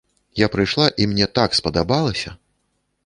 Я прыйшла і мне так спадабалася!